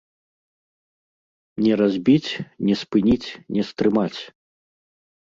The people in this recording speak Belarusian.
Не разбіць, не спыніць, не стрымаць!